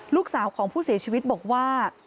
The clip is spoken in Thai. ลูกสาวของผู้เสียชีวิตบอกว่า